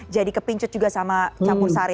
jadi kepingcut juga sama campur sari